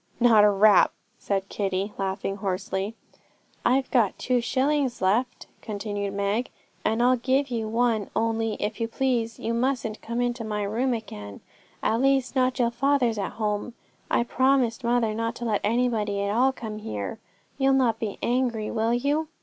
'Not a rap,' said Kitty, laughing hoarsely. 'I've got two shillings left,' continued Meg, 'and I'll give you one; only, if you please, you mustn't come into my room again, at least till father's at home. I promised mother not to let anybody at all come here. You'll not be angry, will you?'